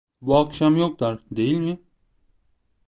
Bu akşam yoklar değil mi?